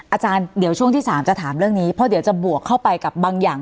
อาจารย์เดี๋ยวช่วงที่๓จะถามเรื่องนี้เพราะเดี๋ยวจะบวกเข้าไปกับบางอย่าง